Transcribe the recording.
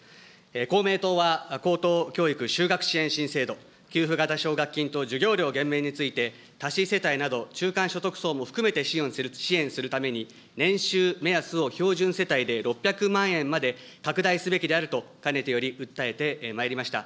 公明党は高等教育就学支援新制度、給付型奨学金と授業料減免について多子世帯など中間所得層も含めて支援するために、年収目安を標準世帯で６００万円まで拡大すべきであるとかねてより訴えてまいりました。